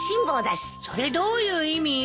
それどういう意味よ。